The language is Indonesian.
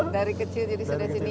dari kecil jadi sudah sini